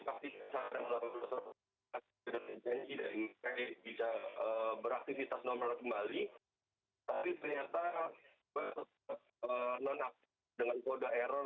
tapi ternyata dengan kode error lima ratus empat